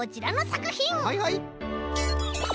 はいはい。